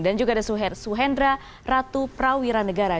dan juga ada suhendra ratu prawiran negara